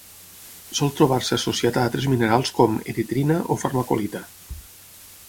Sol trobar-se associat a altres minerals com: eritrina o farmacolita.